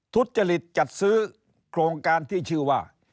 ทุจริตจัดซื้อโครงการที่ชื่อว่า